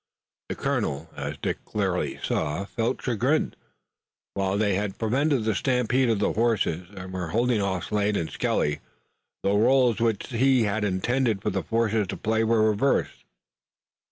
The colonel, as Dick clearly saw, felt chagrin. While they had prevented the stampede of the horses, and were holding off Slade and Skelly, the roles which he had intended for the forces to play were reversed.